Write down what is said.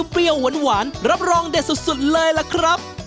เปรี้ยวหวานรับรองเด็ดสุดเลยละครับ